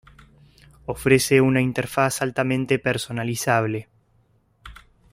Ofrece una interfaz altamente personalizable.